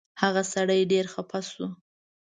هغه سړی ډېر خفه شو.